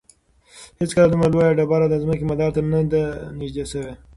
هیڅکله دومره لویه ډبره د ځمکې مدار ته نه ده نږدې شوې.